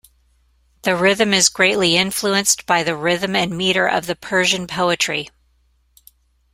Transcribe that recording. The rhythm is greatly influenced by the rhythm and meter of the Persian poetry.